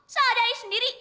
salah daddy sendiri